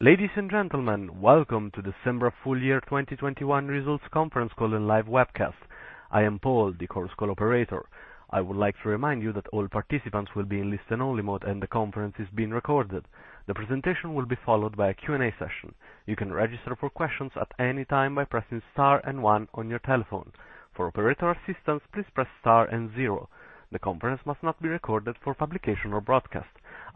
Ladies and gentlemen, welcome to December full year 2021 results conference call and live webcast. I am Paul, the Chorus Call operator. I would like to remind you that all participants will be in listen-only mode and the conference is being recorded. The presentation will be followed by a Q&A session. You can register for questions at any time by pressing star and one on your telephone. For operator assistance, please press star and zero. The conference must not be recorded for publication or broadcast.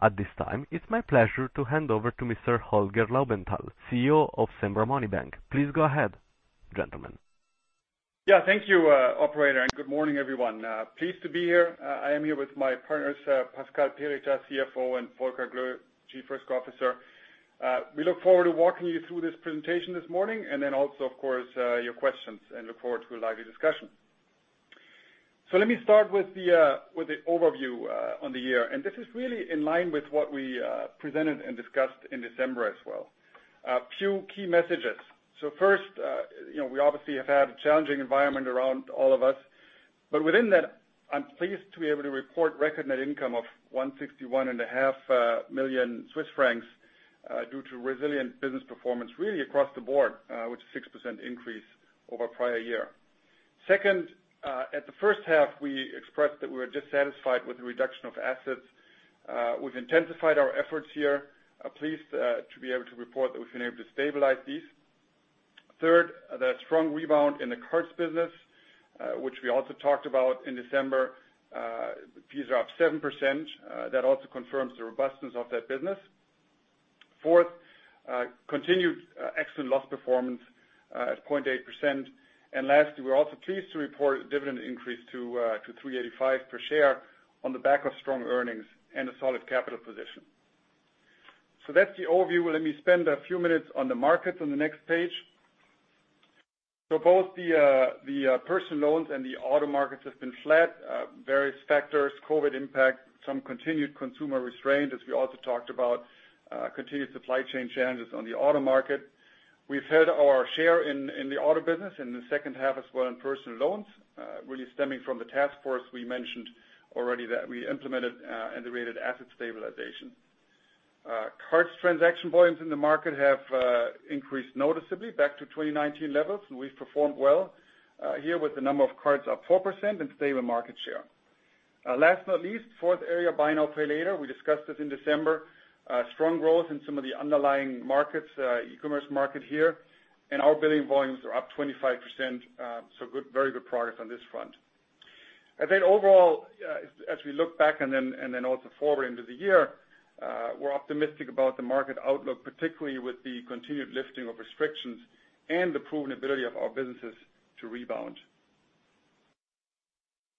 At this time, it's my pleasure to hand over to Mr. Holger Laubenthal, CEO of Cembra Money Bank. Please go ahead, gentleman. Yeah, thank you, operator, and good morning, everyone. Pleased to be here. I am here with my partners, Pascal Perritaz, CFO, and Volker Gloe, Chief Risk Officer. We look forward to walking you through this presentation this morning and then also, of course, your questions and look forward to a lively discussion. Let me start with the overview on the year, and this is really in line with what we presented and discussed in December as well. A few key messages. First, you know, we obviously have had a challenging environment around all of us. Within that, I'm pleased to be able to report record net income of 161.5 million Swiss francs due to resilient business performance really across the board, which is a 6% increase over prior year. Second, at the first half, we expressed that we were dissatisfied with the reduction of assets. We've intensified our efforts here. I'm pleased to be able to report that we've been able to stabilize these. Third, the strong rebound in the cards business, which we also talked about in December, fees are up 7%. That also confirms the robustness of that business. Fourth, continued excellent loss performance at 0.8%. Last, we're also pleased to report a dividend increase to 3.85 per share on the back of strong earnings and a solid capital position. That's the overview. Let me spend a few minutes on the markets on the next page. Both the personal loans and the auto markets have been flat. Various factors, COVID impact, some continued consumer restraint, as we also talked about, continued supply chain challenges on the auto market. We've held our share in the auto business in the second half as well in personal loans, really stemming from the task force we mentioned already that we implemented, and the rated asset stabilization. Cards transaction volumes in the market have increased noticeably back to 2019 levels, and we've performed well here with the number of cards up 4% and stable market share. Last but not least, fourth area, Buy Now Pay Later. We discussed this in December. Strong growth in some of the underlying markets, e-commerce market here, and our billing volumes are up 25%, so good, very good progress on this front. I think overall, as we look back and then also forward into the year, we're optimistic about the market outlook, particularly with the continued lifting of restrictions and the proven ability of our businesses to rebound.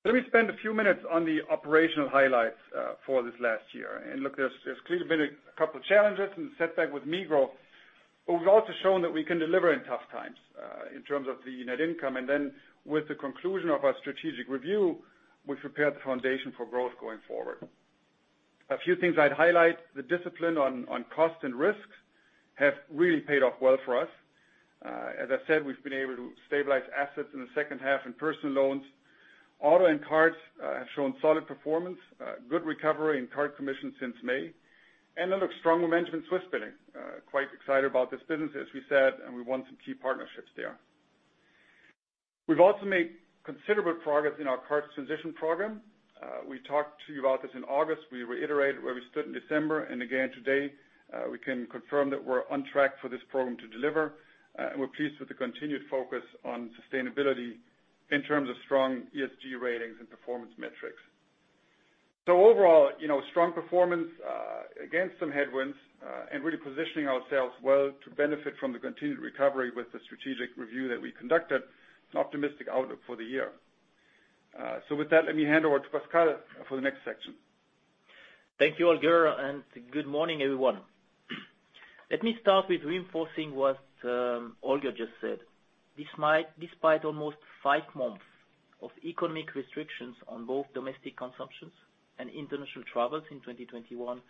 Let me spend a few minutes on the operational highlights for this last year. Look, there's clearly been a couple challenges and setbacks with Migros, but we've also shown that we can deliver in tough times in terms of the net income. With the conclusion of our strategic review, we've prepared the foundation for growth going forward. A few things I'd highlight, the discipline on cost and risks have really paid off well for us. As I said, we've been able to stabilize assets in the second half in personal loans. Auto and cards have shown solid performance, good recovery in card commission since May, and a strong momentum in Swissbilling. Quite excited about this business, as we said, and we won some key partnerships there. We've also made considerable progress in our cards transition program. We talked to you about this in August. We reiterated where we stood in December, and again today, we can confirm that we're on track for this program to deliver. We're pleased with the continued focus on sustainability in terms of strong ESG ratings and performance metrics. Overall, you know, strong performance against some headwinds, and really positioning ourselves well to benefit from the continued recovery with the strategic review that we conducted, an optimistic outlook for the year. With that, let me hand over to Pascal for the next section. Thank you, Holger, and good morning, everyone. Let me start with reinforcing what Holger just said. Despite almost five months of economic restrictions on both domestic consumption and international travel in 2021,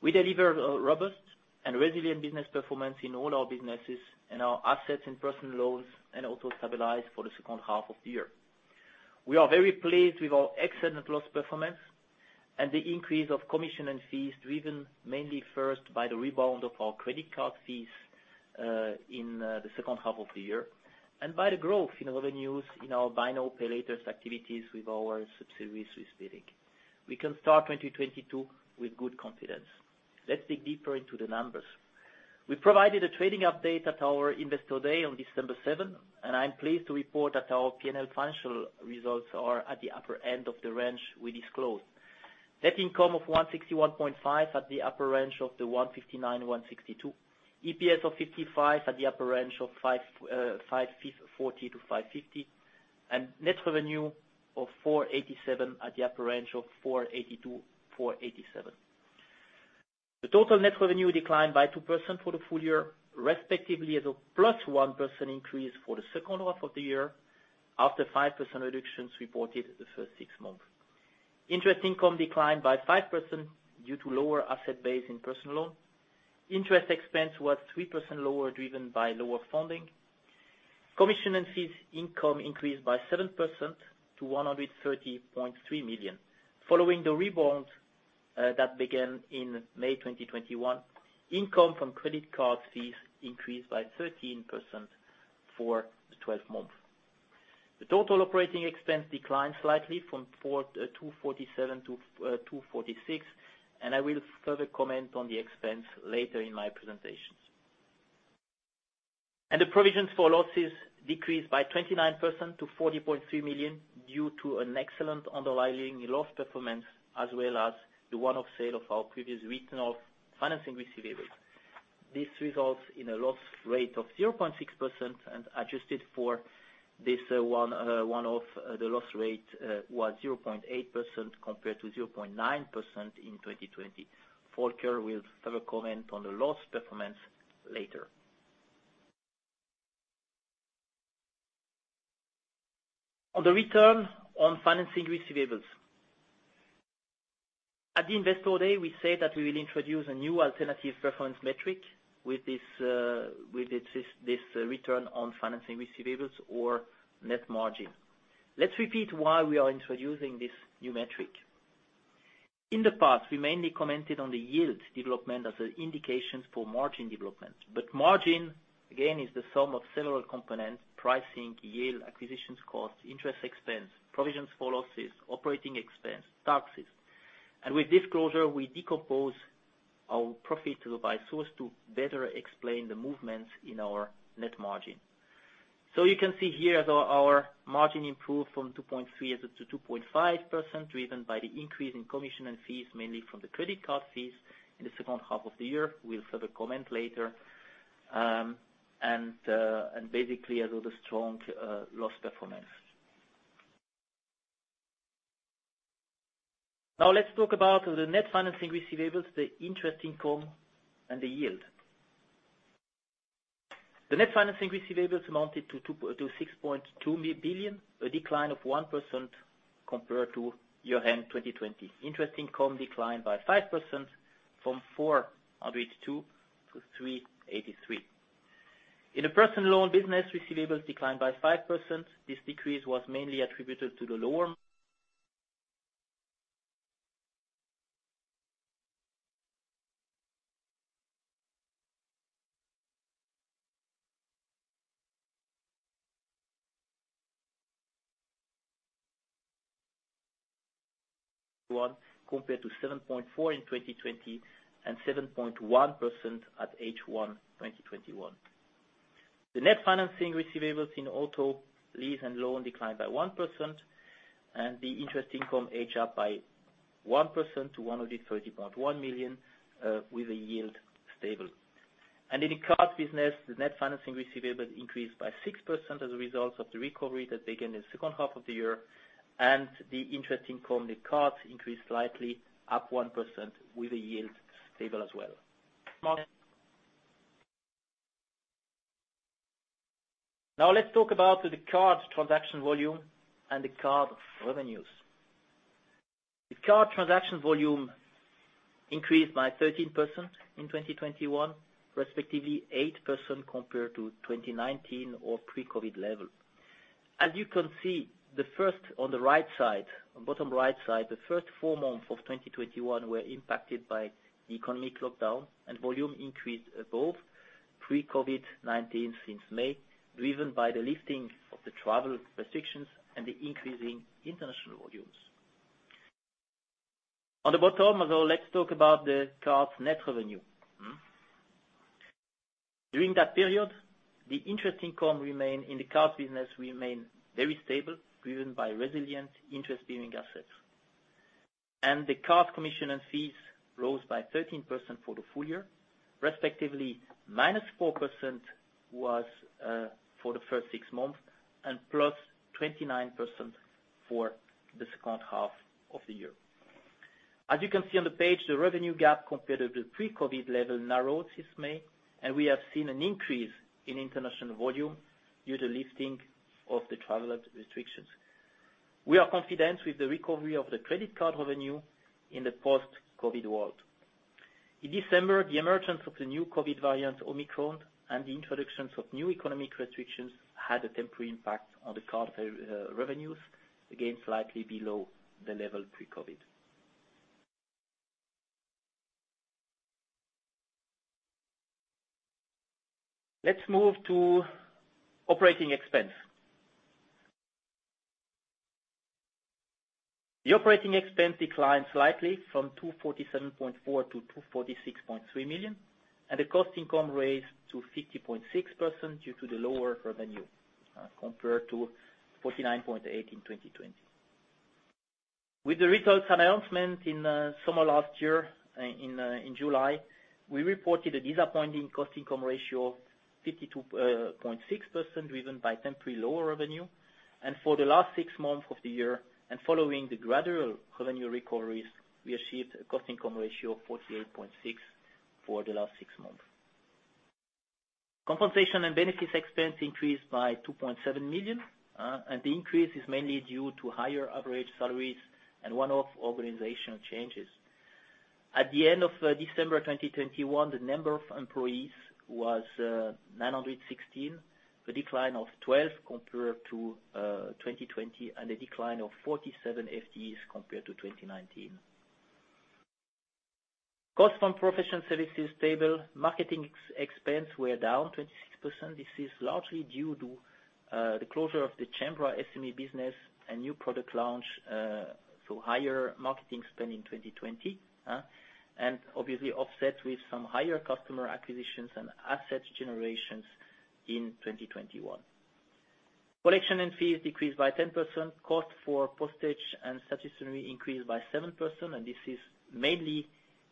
we delivered a robust and resilient business performance in all our businesses and our assets in personal loans and also stabilized for the second half of the year. We are very pleased with our excellent loss performance and the increase of commissions and fees driven mainly first by the rebound of our credit card fees in the second half of the year, and by the growth in revenues in our buy now, pay later activities with our subsidiary, Swissbilling. We can start 2022 with good confidence. Let's dig deeper into the numbers. We provided a trading update at our Investor Day on December seventh. I'm pleased to report that our P&L financial results are at the upper end of the range we disclosed. Net income of 161.5 at the upper range of 159-162. EPS of 5.5 at the upper range of 5.40-5.50. Net revenue of 487 at the upper range of 482-487. Total net revenue declined by 2% for the full year, respectively as a +1% increase for the second half of the year after 5% reductions reported the first six months. Interest income declined by 5% due to lower asset base in personal loan. Interest expense was 3% lower, driven by lower funding. Commission and fees income increased by 7% to 130.3 million. Following the rebound that began in May 2021, income from credit card fees increased by 13% for the twelve months. The total operating expense declined slightly from 242.7-246, and I will further comment on the expense later in my presentations. Provisions for losses decreased by 29% to 40.3 million due to an excellent underlying loss performance, as well as the one-off sale of our previous written off financing receivables. This results in a loss rate of 0.6%, and adjusted for this one-off, the loss rate was 0.8% compared to 0.9% in 2020. Volker will further comment on the loss performance later. On the return on financing receivables. At the Investor Day, we said that we will introduce a new alternative performance metric with this return on financing receivables or net margin. Let's repeat why we are introducing this new metric. In the past, we mainly commented on the yield development as an indication for margin development. Margin, again, is the sum of several components, pricing, yield, acquisitions cost, interest expense, provisions for losses, operating expense, taxes. With disclosure, we decompose our profit by source to better explain the movements in our net margin. You can see here that our margin improved from 2.3%-2.5%, driven by the increase in commission and fees, mainly from the credit card fees in the second half of the year. We'll further comment later. Basically as with a strong loss performance. Now let's talk about the net financing receivables, the interest income, and the yield. The net financing receivables amounted to 6.2 billion, a decline of 1% compared to year-end 2020. Interest income declined by 5% from 402 to 383. In the personal loan business, receivables declined by 5%. This decrease was mainly attributed to the lower one, compared to 7.4 in 2020, and 7.1% at H1 2021. The net financing receivables in auto lease and loan declined by 1%, and the interest income edged up by 1% to 130.1 million, with a yield stable. In the card business, the net financing receivables increased by 6% as a result of the recovery that began in the second half of the year, and the interest income, the cards increased slightly up 1% with a yield stable as well. Now let's talk about the card transaction volume and the card revenues. The card transaction volume increased by 13% in 2021, respectively 8% compared to 2019 or pre-COVID-19 level. As you can see, the first on the right side, on bottom right side, the first 4 months of 2021 were impacted by the economic lockdown and volume increased above pre-COVID-19 since May, driven by the lifting of the travel restrictions and the increasing international volumes. On the bottom as well, let's talk about the card's net revenue. During that period, the interest income in the card business remained very stable, driven by resilient interest-earning assets. The card commission and fees rose by 13% for the full year, minus 4% for the first six months, and +29% for the second half of the year. As you can see on the page, the revenue gap compared with the pre-COVID level narrowed since May, and we have seen an increase in international volume due to lifting of the travel restrictions. We are confident with the recovery of the credit card revenue in the post-COVID world. In December, the emergence of the new COVID variant, Omicron, and the introduction of new economic restrictions had a temporary impact on the card revenues, again slightly below the level pre-COVID. Let's move to operating expense. The operating expense declined slightly from 247.4 million to 246.3 million, and the cost-income ratio rose to 50.6% due to the lower revenue compared to 49.8% in 2020. With the results announcement in summer last year in July, we reported a disappointing cost-income ratio of 52.6%, driven by temporary lower revenue. For the last six months of the year, following the gradual revenue recoveries, we achieved a cost-income ratio of 48.6% for the last six months. Compensation and benefits expense increased by 2.7 million, and the increase is mainly due to higher average salaries and one-off organizational changes. At the end of December 2021, the number of employees was 916. A decline of 12 compared to 2020, and a decline of 47 FTEs compared to 2019. Costs from professional services stable. Marketing expense were down 26%. This is largely due to the closure of the Cembra SME business and new product launch, so higher marketing spend in 2020, and obviously offset with some higher customer acquisitions and asset generations in 2021. Collections and fees decreased by 10%. Costs for postage and stationery increased by 7%, and this is mainly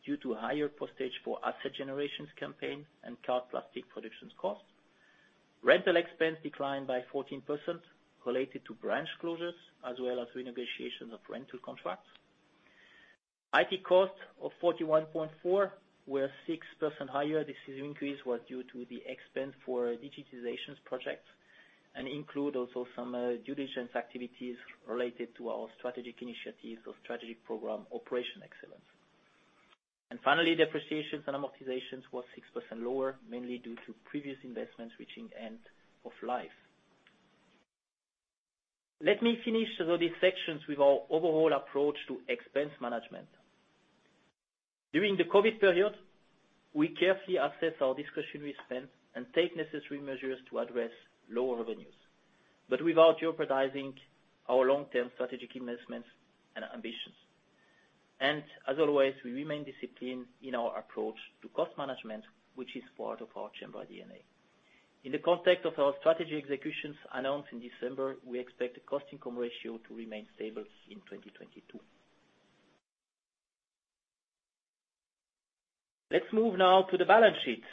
due to higher postage for asset generations campaign and card plastic production costs. Rental expense declined by 14% related to branch closures as well as renegotiation of rental contracts. IT costs of 41.4 were 6% higher. This increase was due to the expenses for digitalization projects and includes also some due diligence activities related to our strategic initiatives or strategic program Operational Excellence. Finally, depreciations and amortizations were 6% lower, mainly due to previous investments reaching end of life. Let me finish these sections with our overall approach to expense management. During the COVID period, we carefully assessed our discretionary spend and took necessary measures to address lower revenues, but without jeopardizing our long-term strategic investments and ambitions. As always, we remain disciplined in our approach to cost management, which is part of our Cembra DNA. In the context of our strategy executions announced in December, we expect the cost income ratio to remain stable in 2022. Let's move now to the balance sheet.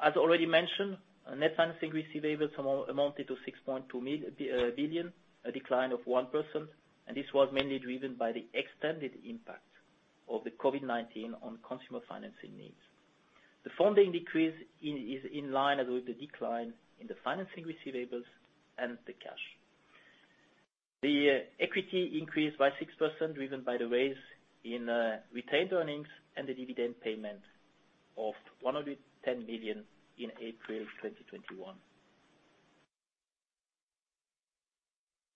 As already mentioned, net financing receivables amounted to 6.2 billion, a decline of 1%, and this was mainly driven by the extended impact of the COVID-19 on consumer financing needs. The funding decrease is in line with the decline in the financing receivables and the cash. The equity increased by 6%, driven by the raise in retained earnings and the dividend payment of 110 million in April 2021.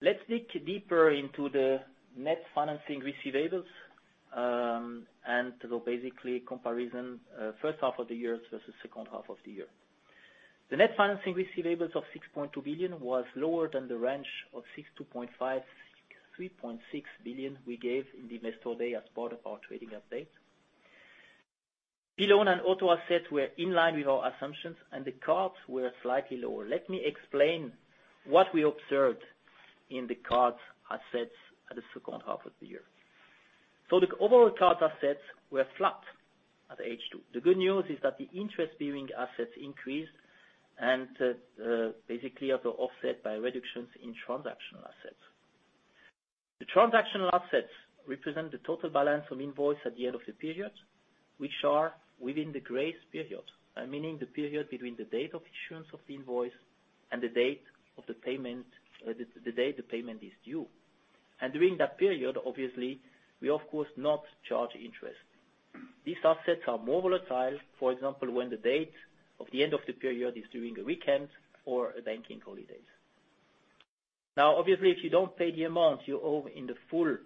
Let's dig deeper into the net financing receivables, and to the basically comparison, first half of the year versus second half of the year. The net financing receivables of 6.2 billion was lower than the range of 6.2-6.5 billion, 3.6 billion we gave in the Investor Day as part of our trading update. Loan and auto assets were in line with our assumptions, and the cards were slightly lower. Let me explain what we observed in the card assets at the second half of the year. The overall card assets were flat at H2. The good news is that the interest-bearing assets increased and basically are offset by reductions in transactional assets. The transactional assets represent the total balance of invoices at the end of the period, which are within the grace period, meaning the period between the date of issuance of the invoice and the date of the payment, the date the payment is due. During that period, obviously, we of course not charge interest. These assets are more volatile, for example, when the date of the end of the period is during a weekend or a bank holiday. Now obviously, if you don't pay the amount you owe in full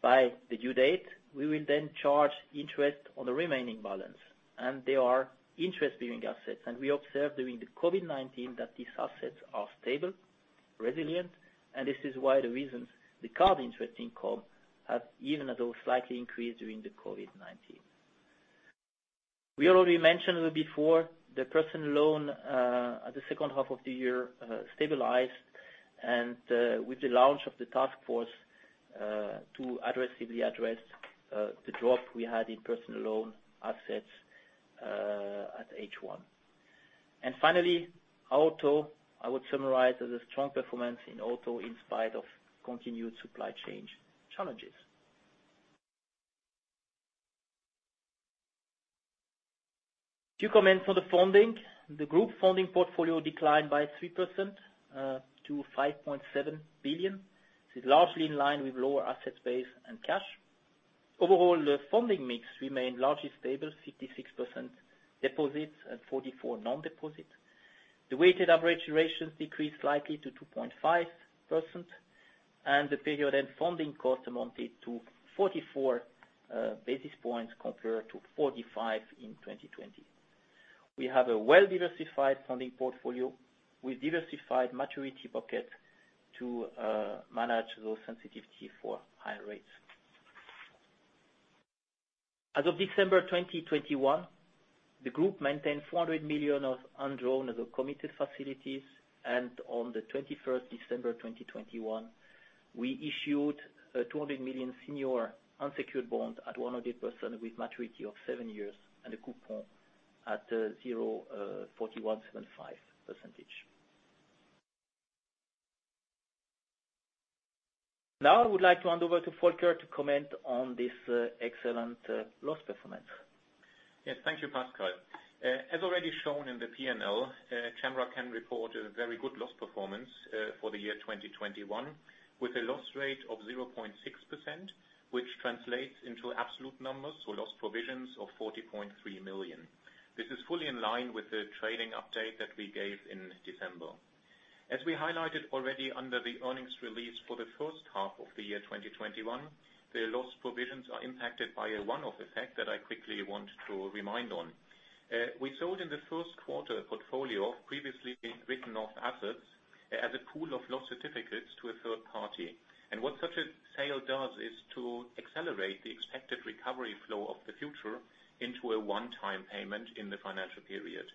by the due date, we will then charge interest on the remaining balance, and they are interest-bearing assets. We observed during the COVID-19 that these assets are stable, resilient, and this is why the reasons the card interest income has even at all slightly increased during the COVID-19. We already mentioned before the personal loan at the second half of the year stabilized and with the launch of the task force to aggressively address the drop we had in personal loan assets at H1. Finally, auto, I would summarize as a strong performance in auto in spite of continued supply chain challenges. To comment on the funding, the group funding portfolio declined by 3% to 5.7 billion. This is largely in line with lower asset base and cash. Overall, the funding mix remained largely stable, 56% deposits and 44% non-deposit. The weighted average durations decreased slightly to 2.5%, and the period-end funding cost amounted to 44 basis points compared to 45 in 2020. We have a well-diversified funding portfolio with diversified maturity buckets to manage those sensitivities for higher rates. As of December 2021, the group maintained 400 million of undrawn committed facilities, and on the 21 December 2021, we issued a 200 million senior unsecured bond at 100% with maturity of seven years and a coupon at 0.4175%. Now I would like to hand over to Volker to comment on this excellent loss performance. Yes. Thank you, Pascal. As already shown in the P&L, Cembra can report a very good loss performance for the year 2021, with a loss rate of 0.6%, which translates into absolute numbers, so loss provisions of 40.3 million. This is fully in line with the trading update that we gave in December. As we highlighted already under the earnings release for the first half of the year 2021, the loss provisions are impacted by a one-off effect that I quickly want to remind on. We sold in the first quarter a portfolio of previously written-off assets as a pool of loss certificates to a third party. What such a sale does is to accelerate the expected recovery flow of the future into a one-time payment in the financial period.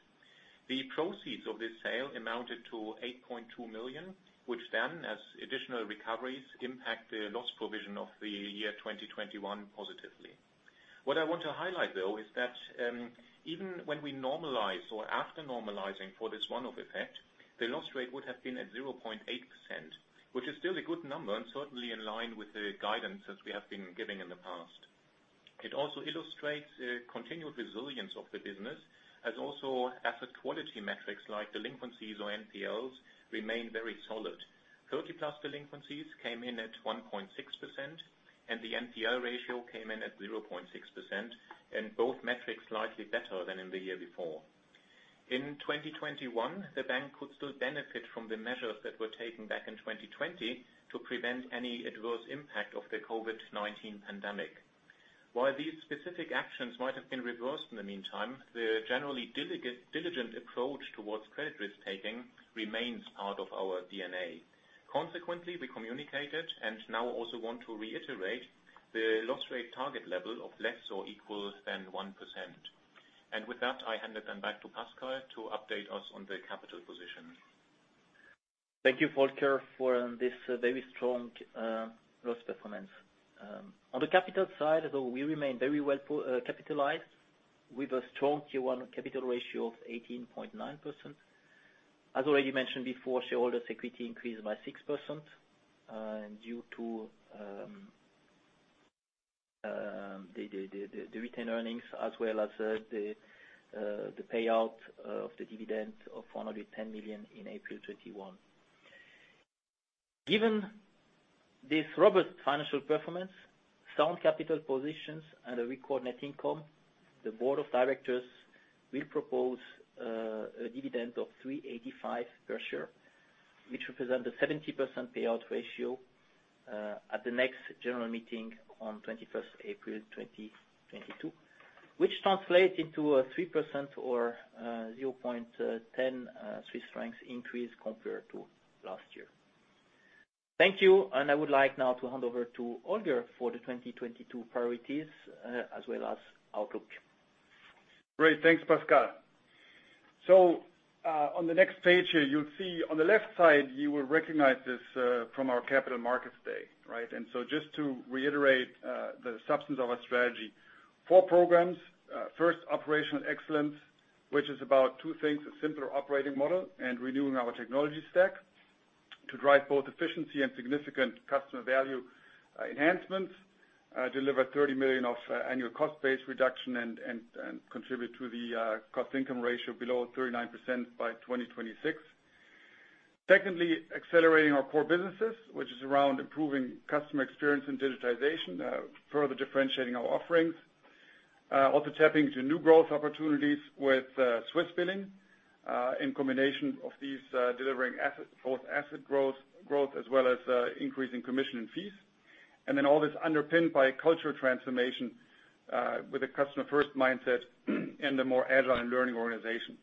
The proceeds of this sale amounted to 8.2 million, which then, as additional recoveries, impact the loss provision of the year 2021 positively. What I want to highlight, though, is that, even when we normalize or after normalizing for this one-off effect, the loss rate would have been at 0.8%, which is still a good number and certainly in line with the guidance as we have been giving in the past. It also illustrates the continued resilience of the business as also asset quality metrics like delinquencies or NPLs remain very solid. 30+ delinquencies came in at 1.6%, and the NPL ratio came in at 0.6%, and both metrics slightly better than in the year before. In 2021, the bank could still benefit from the measures that were taken back in 2020 to prevent any adverse impact of the COVID-19 pandemic. While these specific actions might have been reversed in the meantime, the generally diligent approach towards credit risk-taking remains part of our DNA. Consequently, we communicated, and now also want to reiterate the loss rate target level of less or equal than 1%. With that, I hand it then back to Pascal to update us on the capital position. Thank you, Volker, for this very strong loss performance. On the capital side, though, we remain very well capitalized with a strong CET1 capital ratio of 18.9%. As already mentioned before, shareholders' equity increased by 6% and due to the retained earnings as well as the payout of the dividend of 110 million in April 2021. Given this robust financial performance, sound capital positions, and a record net income, the board of directors will propose a dividend of 3.85 per share, which represent a 70% payout ratio at the next general meeting on 21 April 2022, which translate into a 3% or 0.10 Swiss francs increase compared to last year. Thank you, and I would like now to hand over to Holger for the 2022 priorities, as well as outlook. Great. Thanks, Pascal. On the next page here, you'll see on the left side, you will recognize this from our Capital Markets Day, right? Just to reiterate the substance of our strategy. Four programs, first Operational Excellence, which is about two things, a simpler operating model and renewing our technology stack to drive both efficiency and significant customer value enhancements, deliver 30 million of annual cost base reduction and contribute to the cost-income ratio below 39% by 2026. Secondly, accelerating our core businesses, which is around improving customer experience and digitization, further differentiating our offerings. Also tapping into new growth opportunities with Swissbilling, in combination of these, delivering both asset growth as well as increasing commission and fees. All this underpinned by a cultural transformation, with a customer-first mindset and a more agile and learning organization.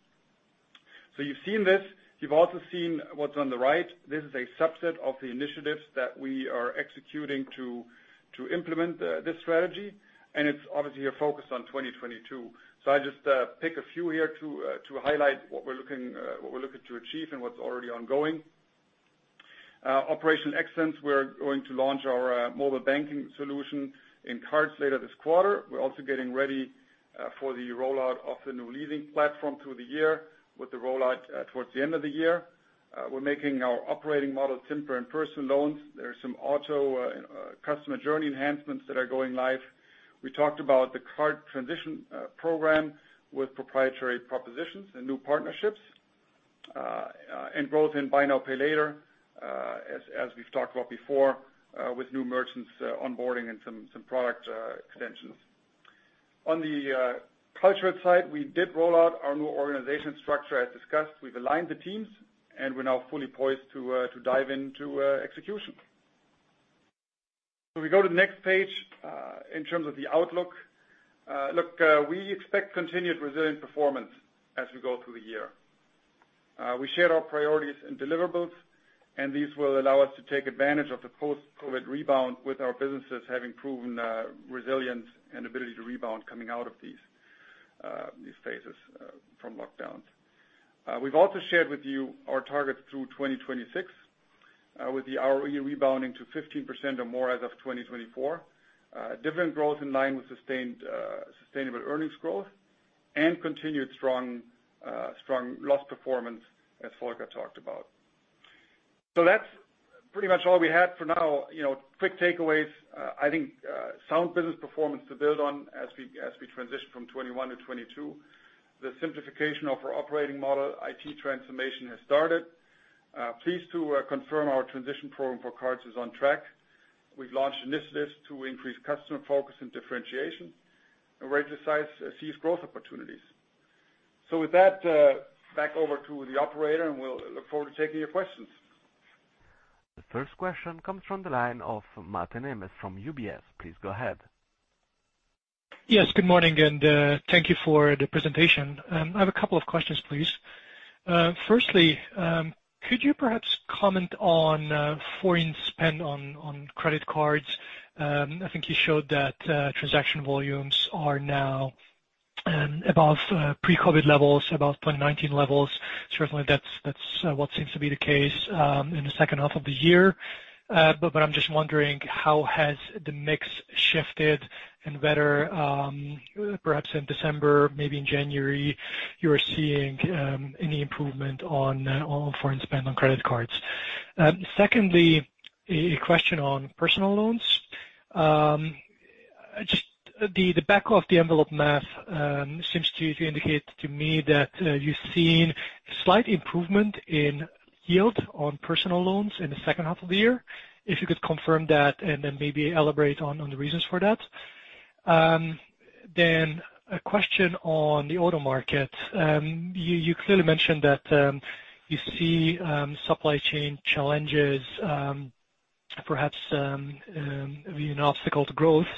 You've seen this. You've also seen what's on the right. This is a subset of the initiatives that we are executing to implement this strategy, and it's obviously a focus on 2022. I just pick a few here to highlight what we're looking to achieve and what's already ongoing. Operational Excellence, we're going to launch our mobile banking solution in cards later this quarter. We're also getting ready for the rollout of the new leasing platform through the year with the rollout towards the end of the year. We're making our operating model simpler in personal loans. There are some auto customer journey enhancements that are going live. We talked about the card transition program with proprietary propositions and new partnerships and growth in buy now, pay later, as we've talked about before, with new merchants onboarding and some product extensions. On the cultural side, we did roll out our new organization structure as discussed. We've aligned the teams, and we're now fully poised to dive into execution. We go to the next page in terms of the outlook. Look, we expect continued resilient performance as we go through the year. We shared our priorities and deliverables, and these will allow us to take advantage of the post-COVID rebound with our businesses having proven resilience and ability to rebound coming out of these phases from lockdowns. We've also shared with you our targets through 2026, with the ROE rebounding to 15% or more as of 2024, dividend growth in line with sustained, sustainable earnings growth, and continued strong loss performance, as Volker talked about. That's pretty much all we had for now. You know, quick takeaways, I think, sound business performance to build on as we transition from 2021 to 2022. The simplification of our operating model, IT transformation has started. Pleased to confirm our transition program for cards is on track. We've launched initiatives to increase customer focus and differentiation, and right-size and seize growth opportunities. With that, back over to the operator, and we'll look forward to taking your questions. The first question comes from the line of Máté Nemes from UBS. Please go ahead. Yes, good morning, and thank you for the presentation. I have a couple of questions, please. Firstly, could you perhaps comment on foreign spend on credit cards? I think you showed that transaction volumes are now above pre-COVID levels, above 2019 levels. Certainly that's what seems to be the case in the second half of the year. I'm just wondering how has the mix shifted and whether perhaps in December, maybe in January, you're seeing any improvement on foreign spend on credit cards. Secondly, a question on personal loans. Just the back of the envelope math seems to indicate to me that you've seen slight improvement in yield on personal loans in the second half of the year. If you could confirm that and then maybe elaborate on the reasons for that. Then a question on the auto market. You clearly mentioned that you see supply chain challenges perhaps being an obstacle to growth.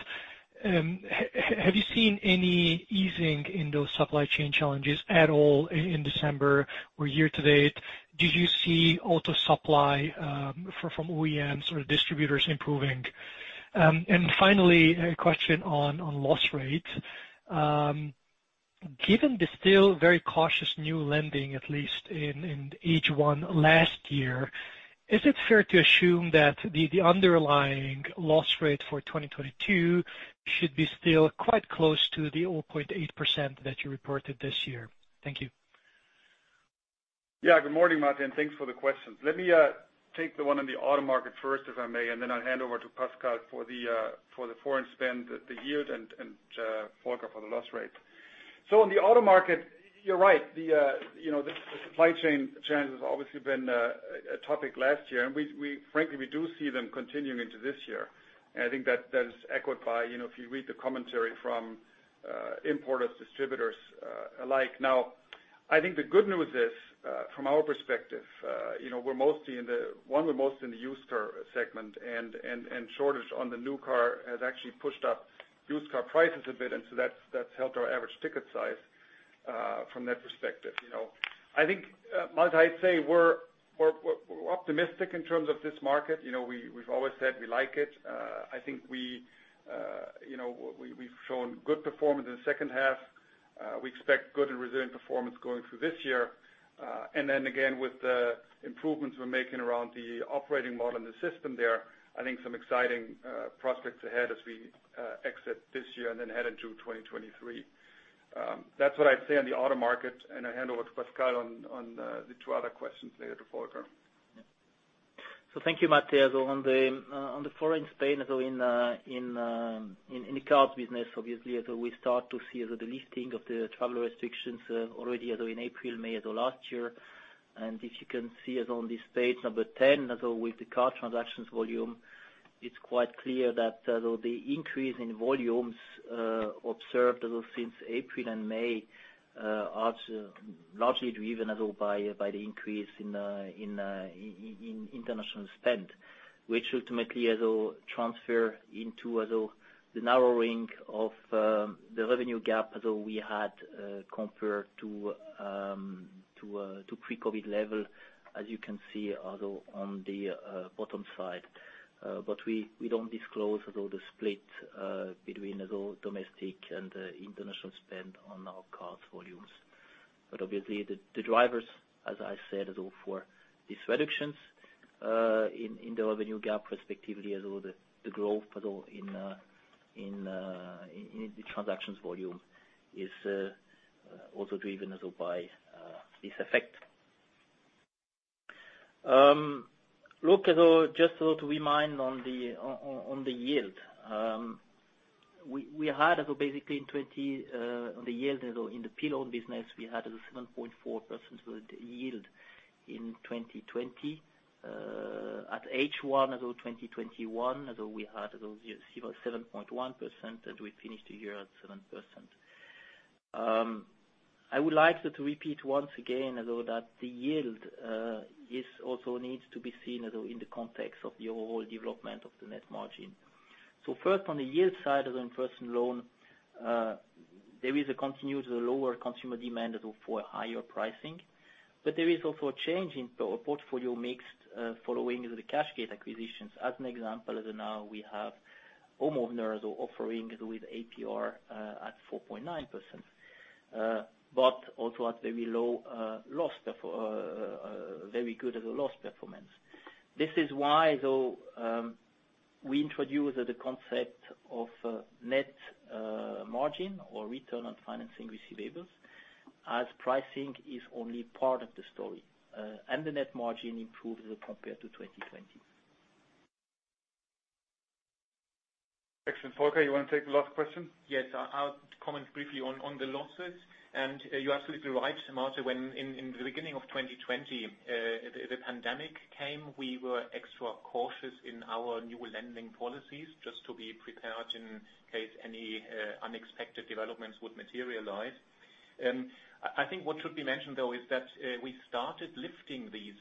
Have you seen any easing in those supply chain challenges at all in December or year to date? Did you see auto supply from OEMs or distributors improving? And finally, a question on loss rate. Given the still very cautious new lending, at least in H1 last year, is it fair to assume that the underlying loss rate for 2022 should be still quite close to the 0.8% that you reported this year? Thank you. Yeah, good morning, Máté. Thanks for the questions. Let me take the one on the auto market first, if I may, and then I'll hand over to Pascal for the foreign spend, the yield, and Volker for the loss rate. So on the auto market, you're right. The you know, the supply chain challenges have obviously been a topic last year, and we frankly do see them continuing into this year. I think that is echoed by you know, if you read the commentary from importers, distributors, alike. Now, I think the good news is, from our perspective, you know, we're mostly in the used car segment, and shortage on the new car has actually pushed up used car prices a bit, and so that's helped our average ticket size, from that perspective. You know, I think, Máté, I'd say we're optimistic in terms of this market. You know, we've always said we like it. I think, you know, we've shown good performance in the second half. We expect good and resilient performance going through this year. And then again, with the improvements we're making around the operating model and the system there, I think some exciting prospects ahead as we exit this year and then head into 2023. That's what I'd say on the auto market, and I hand over to Pascal on the two other questions there to Volker. Thank you, Máté Nemes. On the foreign spend in the card business, obviously, as we start to see the lifting of the travel restrictions already in April, May, last year. If you can see on this page 10, as well with the card transactions volume, it's quite clear that the increase in volumes observed since April and May are largely driven as well by the increase in international spend, which ultimately transfers into the narrowing of the revenue gap as we had compared to pre-COVID level, as you can see on the bottom side. We don't disclose at all the split between domestic and international spend on our cards volumes. Obviously the drivers, as I said, for these reductions in the revenue gap respectively as well, the growth in the transactions volume is also driven by this effect. Look, just to remind on the yield, we had basically in 2020 on the yield in the pillar business, we had a 7.4% yield in 2020. At H1 of 2021, we had 7.1%, and we finished the year at 7%. I would like to repeat once again that the yield is also needs to be seen in the context of the overall development of the net margin. First on the yield side of the personal loan, there is a continued lower consumer demand for higher pricing, but there is also a change in portfolio mix following the cashgate acquisition. As an example, now we have homeowner offering with APR at 4.9%, but also at very low loss, very good loss performance. This is why we introduce the concept of net margin or return on financing receivables, as pricing is only part of the story. The net margin improves compared to 2020. Excellent. Volker, you wanna take the last question? Yes. I'll comment briefly on the losses. You're absolutely right, Máté, when in the beginning of 2020, the pandemic came, we were extra cautious in our new lending policies, just to be prepared in case any unexpected developments would materialize. I think what should be mentioned though is that we started lifting these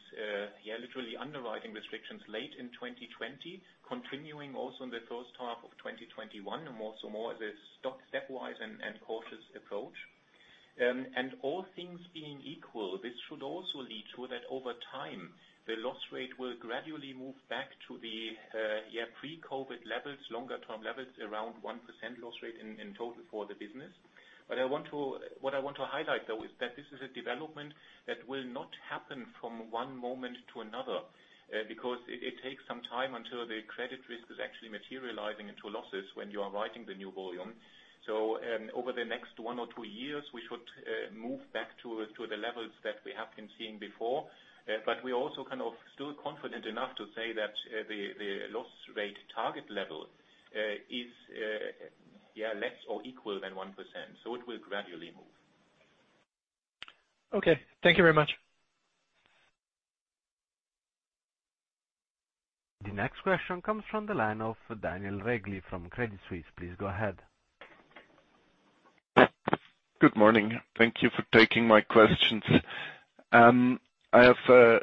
literally underwriting restrictions late in 2020, continuing also in the first half of 2021, more so more the stepwise and cautious approach. All things being equal, this should also lead to that over time, the loss rate will gradually move back to the pre-COVID levels, longer-term levels, around 1% loss rate in total for the business. What I want to highlight, though, is that this is a development that will not happen from one moment to another, because it takes some time until the credit risk is actually materializing into losses when you are writing the new volume. Over the next one or two years, we should move back to the levels that we have been seeing before. We're also kind of still confident enough to say that the loss rate target level is less or equal than 1%, so it will gradually move. Okay. Thank you very much. The next question comes from the line of Daniel Regli from Credit Suisse. Please go ahead. Good morning. Thank you for taking my questions. I have a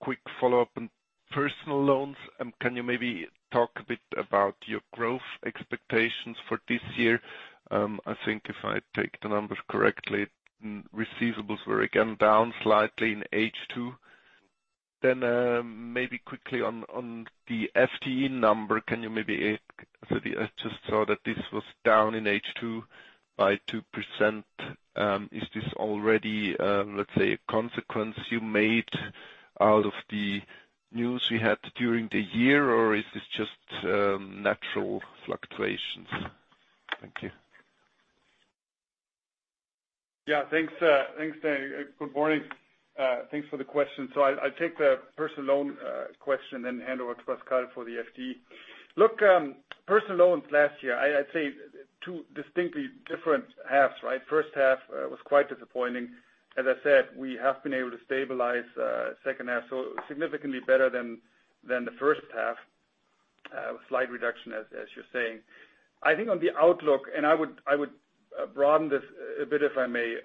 quick follow-up on personal loans. Can you maybe talk a bit about your growth expectations for this year? I think if I take the numbers correctly, receivables were again down slightly in H2. Maybe quickly on the FTE number, can you maybe so I just saw that this was down in H2 by 2%. Is this already, let's say, a consequence you made out of the news we had during the year, or is this just natural fluctuations? Thank you. Thanks, Daniel. Good morning. Thanks for the question. I'll take the personal loan question and hand over to Pascal for the FTE. Look, personal loans last year, I'd say two distinctly different halves, right? First half was quite disappointing. As I said, we have been able to stabilize second half, so significantly better than the first half with slight reduction as you're saying. I think on the outlook, I would broaden this a bit, if I may,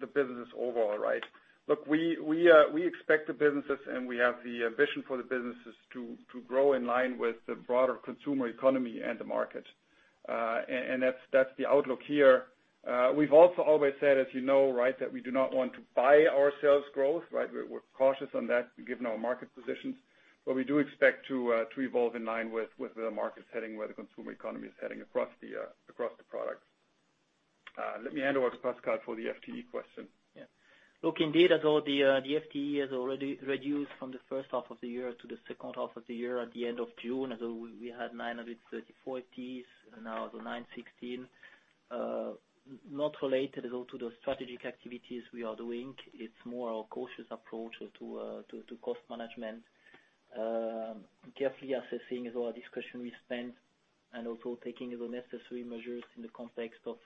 the business overall, right? Look, we expect the businesses and we have the ambition for the businesses to grow in line with the broader consumer economy and the market. That's the outlook here. We've also always said, as you know, right, that we do not want to buy our sales growth, right? We're cautious on that given our market positions. We do expect to evolve in line with the market's heading, where the consumer economy is heading across the products. Let me hand over to Pascal for the FTE question. Yeah. Look, indeed, as all the FTE has already reduced from the first half of the year to the second half of the year at the end of June, as we had 934 FTEs, now the 916. Not related at all to the strategic activities we are doing. It's more our cautious approach to cost management, carefully assessing as well discussion we spent, and also taking the necessary measures in the context of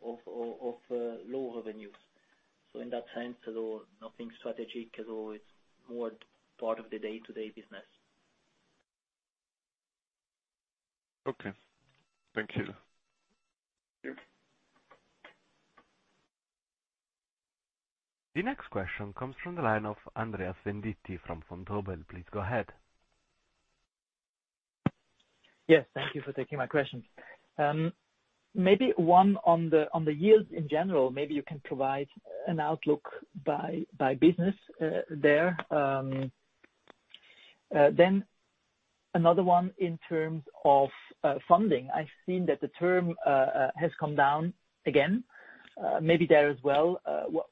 low revenues. In that sense, nothing strategic at all. It's more part of the day-to-day business. Okay. Thank you. Thank you. The next question comes from the line of Andreas Venditti from Vontobel. Please go ahead. Yes, thank you for taking my questions. Maybe one on the yields in general. Maybe you can provide an outlook by business there. Then another one in terms of funding. I've seen that the term has come down again. Maybe there as well,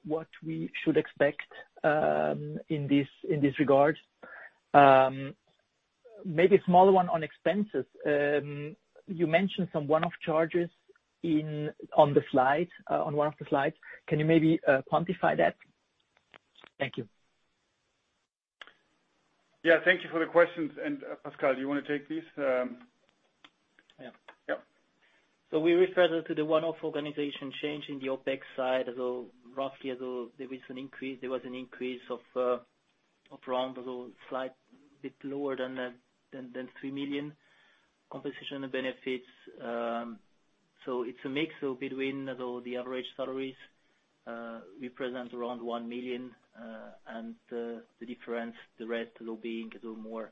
what we should expect in this regard. Maybe a smaller one on expenses. You mentioned some one-off charges on one of the slides. Can you maybe quantify that? Thank you. Yeah, thank you for the questions. Pascal, do you wanna take these? Yeah. Yeah. We refer to the one-off organization change in the OpEx side, roughly there was an increase of around a slight bit lower than 3 million compensation benefits. It's a mix between the average salaries represent around 1 million and the difference, the rest being more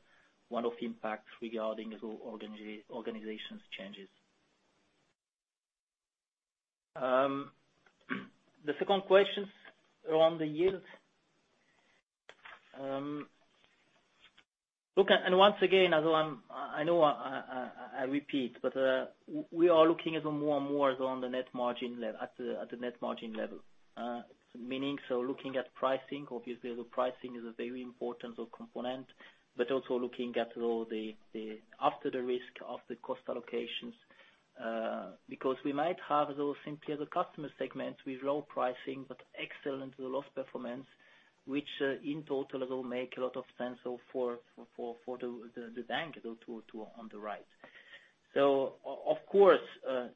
one-off impacts regarding organizational changes. The second question around the yields. Once again, I know I repeat, but we are looking more and more on the net margin at the net margin level. Meaning, looking at pricing, obviously the pricing is a very important component, but also looking at all the other risk and cost allocations because we might have those simply as a customer segment with low pricing but excellent loss performance, which in total will make a lot of sense for the bank to do on the right. Of course,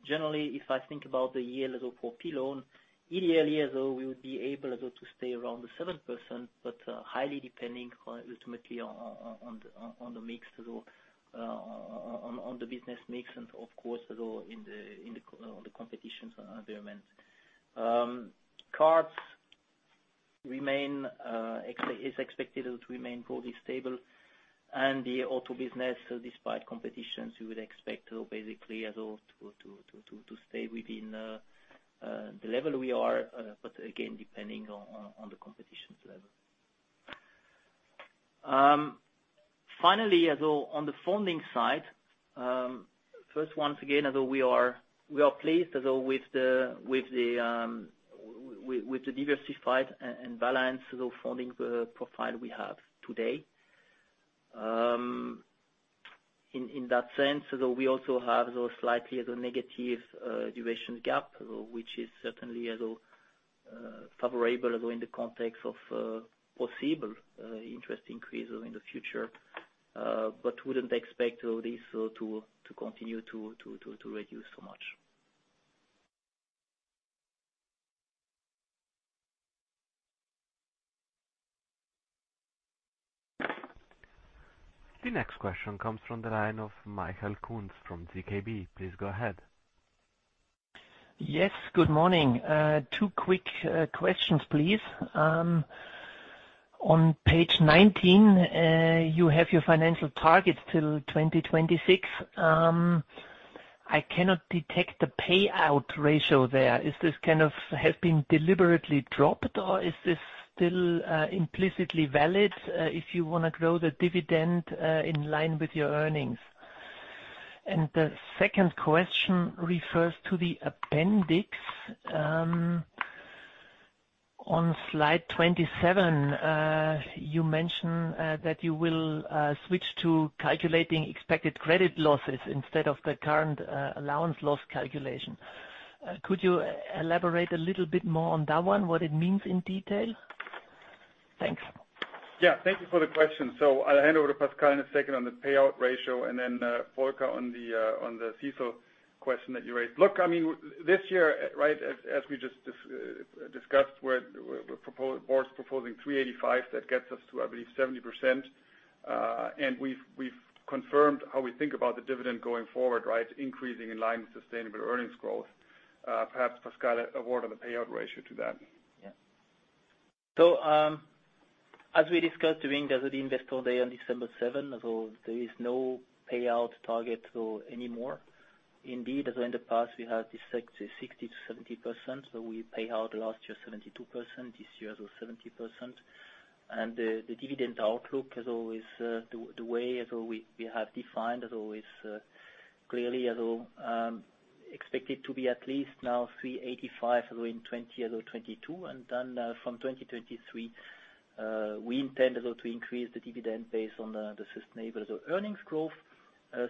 generally, if I think about the year for personal loan, in the early years, we will be able to stay around the 7%, but highly depending ultimately on the business mix and of course, the growth in the competitive environment. The cards business is expected to remain broadly stable, and the auto business, despite competition, we would expect basically overall to stay within the level we are, but again, depending on the competition level. Finally, overall on the funding side, once again, we are overall pleased with the diversified and balanced funding profile we have today. In that sense, we also have a slightly negative duration gap, which is certainly overall favorable in the context of possible interest increase in the future, but wouldn't expect this to reduce so much. The next question comes from the line of Michael Kunz from ZKB. Please go ahead. Yes, good morning. Two quick questions, please. On page 19, you have your financial targets till 2026. I cannot detect the payout ratio there. Is this kind of have been deliberately dropped, or is this still implicitly valid, if you wanna grow the dividend in line with your earnings? The second question refers to the appendix. On slide 27, you mentioned that you will switch to calculating expected credit losses instead of the current allowance loss calculation. Could you elaborate a little bit more on that one, what it means in detail? Thanks. Yeah, thank you for the question. I'll hand over to Pascal in a second on the payout ratio and then, Volker on the CECL question that you raised. Look, I mean, this year, right, as we just discussed, the board's proposing 385, that gets us to, I believe, 70%. We've confirmed how we think about the dividend going forward, right, increasing in line with sustainable earnings growth. Perhaps Pascal, a word on the payout ratio to that. As we discussed during the Investor Day on December 7, there is no payout target anymore. Indeed, as in the past, we had this 60%-70%, we paid out last year 72%, this year it was 70%. The dividend outlook as always, the way we have defined as always, clearly, as well, expected to be at least 3.85 in 2021 or 2022. Then, from 2023, we intend, as well, to increase the dividend based on the sustainable earnings growth,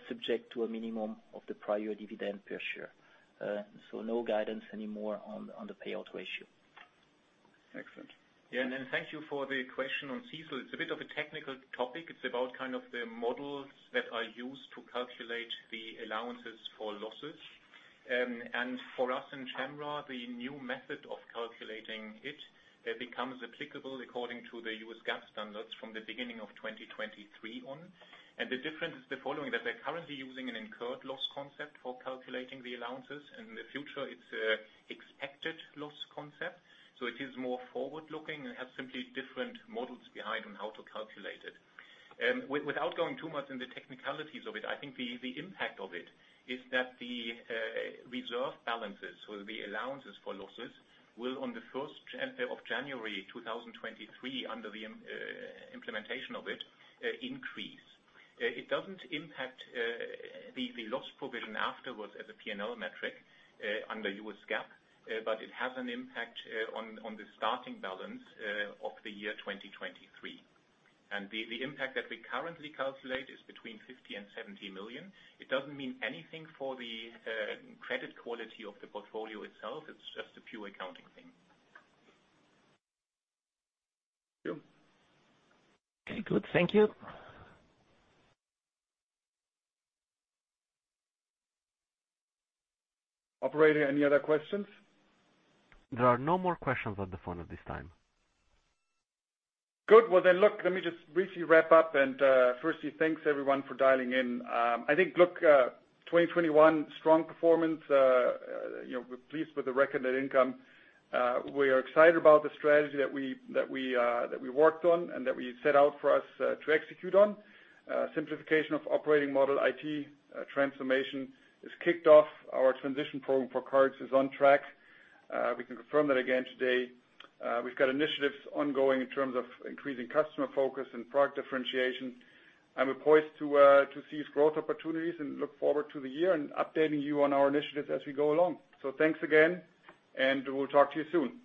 subject to a minimum of the prior dividend per share. No guidance anymore on the payout ratio. Excellent. Yeah. Thank you for the question on CECL. It's a bit of a technical topic. It's about kind of the models that are used to calculate the allowances for losses. For us in Cembra, the new method of calculating it becomes applicable according to the U.S. GAAP standards from the beginning of 2023 on. The difference is the following, that they're currently using an incurred loss concept for calculating the allowances. In the future, it's expected loss concept, so it is more forward-looking and have simply different models behind on how to calculate it. Without going too much in the technicalities of it, I think the impact of it is that the reserve balances or the allowances for losses will on the first of January 2023, under the implementation of it, increase. It doesn't impact the loss provision afterwards as a P&L metric under U.S. GAAP, but it has an impact on the starting balance of the year 2023. The impact that we currently calculate is between 50 million and 70 million. It doesn't mean anything for the credit quality of the portfolio itself, it's just a pure accounting thing. Thank you. Okay, good. Thank you. Operator, any other questions? There are no more questions on the phone at this time. Good. Well, then look, let me just briefly wrap up. Firstly, thanks everyone for dialing in. I think, look, 2021, strong performance. You know, we're pleased with the recorded income. We are excited about the strategy that we worked on and that we set out for us to execute on. Simplification of operating model IT transformation is kicked off. Our transition program for cards is on track. We can confirm that again today. We've got initiatives ongoing in terms of increasing customer focus and product differentiation. We're poised to seize growth opportunities and look forward to the year and updating you on our initiatives as we go along. Thanks again, and we'll talk to you soon.